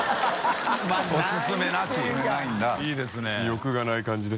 欲がない感じで。